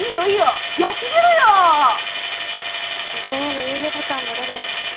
自分へのいいねボタンの連打がすごい。